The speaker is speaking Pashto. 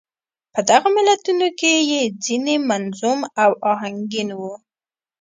په دغو متلونو کې يې ځينې منظوم او اهنګين وو.